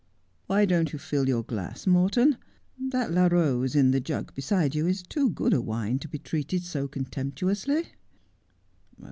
' Why don't you fill your glass, Morton 1 That La Bose in the jug beside you is too good a wine to be treated so contemp tuously.'